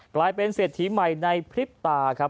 กลายเป็นเศรษฐีใหม่ในพริบตาครับ